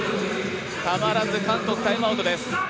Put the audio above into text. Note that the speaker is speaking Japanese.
たまらず韓国、タイムアウトです。